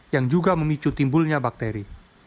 yang juga memicu timbulnya bakteri